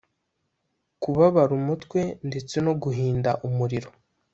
kubabara umutwe ndetse no guhinda umuriro